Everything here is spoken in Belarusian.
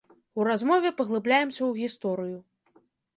У размове паглыбляемся ў гісторыю.